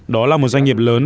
đó là một doanh nghiệp lớn